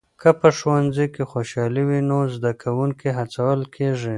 که په ښوونځي کې خوشالي وي نو زده کوونکي هڅول کېږي.